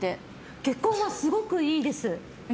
結婚はすごくいいです。